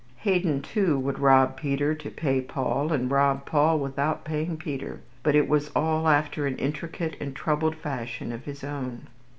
Haydon, too, would rob Peter to pay Paul, and rob Paul without paying Peter; but it was all after an intricate and troubled fashion of his own.